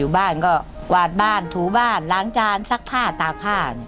บ้านก็กวาดบ้านถูบ้านล้างจานซักผ้าตากผ้า